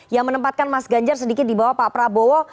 yang menempatkan mas ganjar sedikit di bawah pak prabowo